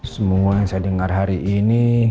semua yang saya dengar hari ini